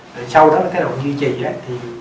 rồi sau đó cái độ duy trì á thì